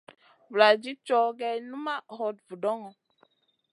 Vuladid cow gèh numaʼ hot vudoŋo.